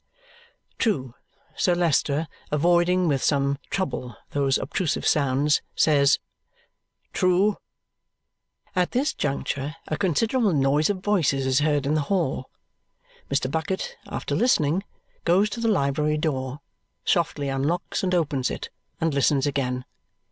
True. Sir Leicester, avoiding, with some trouble those obtrusive sounds, says, "True." At this juncture a considerable noise of voices is heard in the hall. Mr. Bucket, after listening, goes to the library door, softly unlocks and opens it, and listens again.